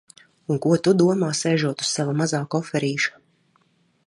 Un ko tu domā, sēžot uz sava mazā koferīša?